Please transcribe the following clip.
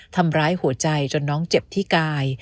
ทำร้ายหัวใจจนน้องเจ็บที่กาย